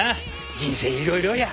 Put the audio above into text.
人生いろいろや。